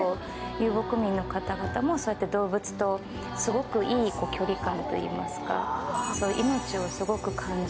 遊牧民の方々もそうやって動物とすごくいい距離感といいますか。